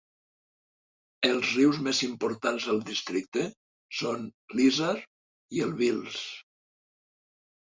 Els rius més importants del districte són l"Isar i el Vils.